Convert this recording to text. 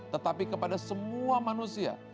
tetapi kepada semua manusia